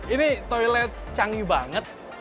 ini toilet canggih banget